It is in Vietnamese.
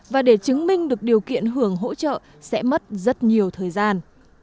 và để chứng minh được điều kiện hưởng hỗ trợ sẽ mất rất nhiều thời gian